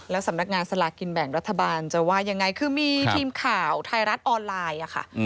สำนักงานสลากินแบ่งรัฐบาลจะว่ายังไงคือมีทีมข่าวไทยรัฐออนไลน์ค่ะ